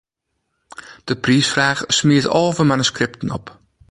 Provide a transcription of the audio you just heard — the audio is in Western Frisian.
De priisfraach smiet alve manuskripten op.